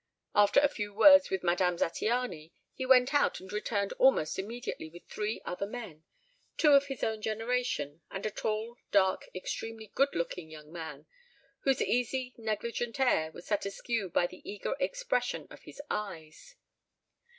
After a few words with Madame Zattiany he went out and returned almost immediately with three other men, two of his own generation, and a tall, dark, extremely good looking young man, whose easy negligent air was set askew by the eager expression of his eyes.